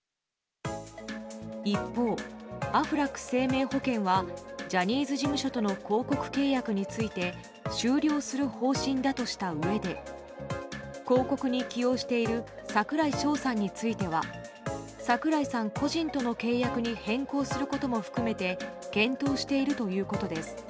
一方、アフラック生命保険はジャニーズ事務所との広告契約について終了する方針だとしたうえで広告に起用している櫻井翔さんについては櫻井さん個人との契約に変更することも含めて検討しているということです。